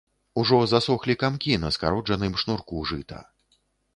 Ужо засохлі камкі на скароджаным шнурку жыта.